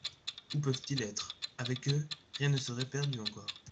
Où peuvent-ils être ? Avec eux, rien ne serait perdu encore.